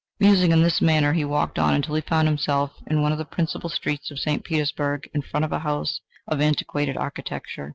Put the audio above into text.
Musing in this manner, he walked on until he found himself in one of the principal streets of St. Petersburg, in front of a house of antiquated architecture.